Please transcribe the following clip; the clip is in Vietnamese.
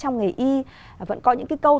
trong nghề y vẫn có những cái câu